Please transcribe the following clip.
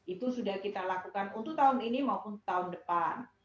itu sudah kita lakukan untuk tahun ini maupun tahun depan